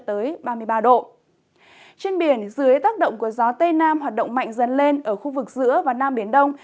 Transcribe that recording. trên biển dưới tác động của gió tây nam hoạt động mạnh dần lên ở khu vực giữa và nam biển đông